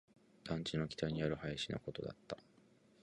団地の北にある林のことだった